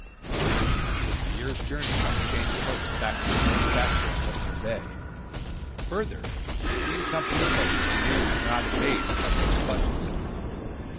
It was a year's journey, by the chain of posts, back to York Factory on Hudson's Bay. Further, being Company posts, he knew he could not evade the Company's clutches.